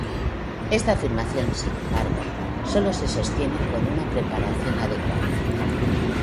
Esta afirmación, sin embargo, solo se sostiene con una preparación adecuada.